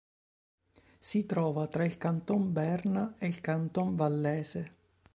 Si trova tra il Canton Berna ed il Canton Vallese.